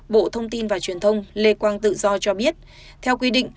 bộ thông tin và truyền thông lê quang tự do cho biết theo quy định